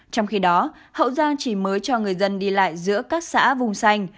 trong khi đó hậu giang chỉ mới cho người dân đi lại giữa các xã vùng xanh